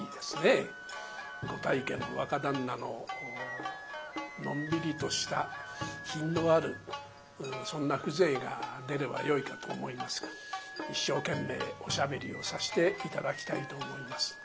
ご大家の若旦那ののんびりとした品のあるそんな風情が出ればよいかと思いますが一生懸命おしゃべりをさして頂きたいと思います。